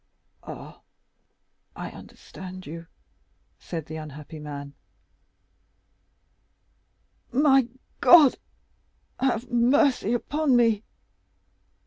"Ah, I understand you," said the unhappy man. "My God, have mercy upon me!"